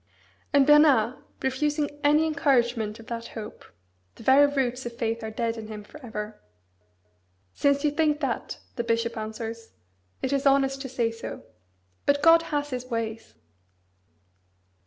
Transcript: And Bernard refusing any encouragement of that hope (the "very roots of faith are dead" in him for ever) "since you think that," the bishop answers, "it is honest to say so. But God has His ways!"